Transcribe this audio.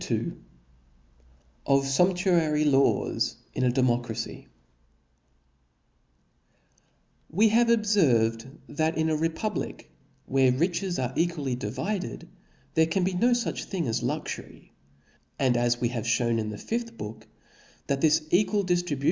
Offumptuary Laws in a Democracy^ \\f E have obferved, that in a rf public where ^^ riches are equally divided, thefe can be no fiich thing as luxury ; and as we have fhewn in the 5th book (*)| that this equal diftribution con